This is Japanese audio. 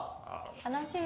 楽しみ。